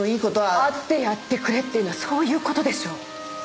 会ってやってくれっていうのはそういう事でしょう。